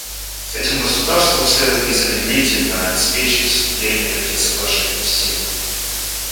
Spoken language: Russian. Этим государствам следует незамедлительно обеспечить вступление таких соглашений в силу.